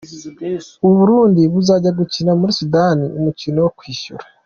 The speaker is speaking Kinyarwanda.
U Burundi buzajya gukina muri Sudani umukino wo kwishyura.